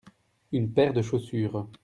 une paire de chaussures.